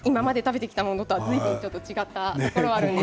今まで食べてきたものとずいぶん違うものがあります。